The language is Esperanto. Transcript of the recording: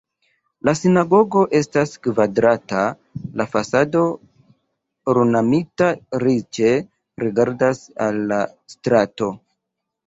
La sinagogo estas kvadrata, la fasado ornamita riĉe rigardas al la strato.